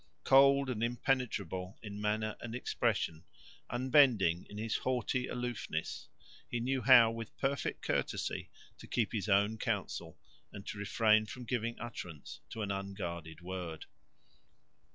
Cold and impenetrable in manner and expression, unbending in his haughty aloofness, he knew how with perfect courtesy to keep his own counsel and to refrain from giving utterance to an unguarded word.